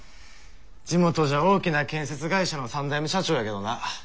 地元じゃ大きな建設会社の三代目社長やけどな。